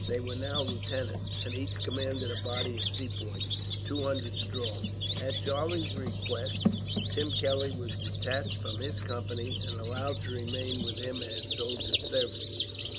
They were now lieutenants, and each commanded a body of Sepoys, two hundred strong. At Charlie's request, Tim Kelly was detached from his company, and allowed to remain with him as soldier servant.